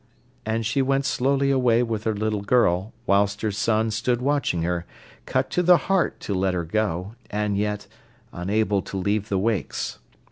And she went slowly away with her little girl, whilst her son stood watching her, cut to the heart to let her go, and yet unable to leave the wakes.